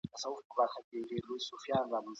صله رحمي عمر او رزق زیاتوي.